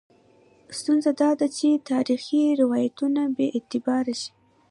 ستونزه دا ده چې تاریخي روایتونه بې اعتباره شي.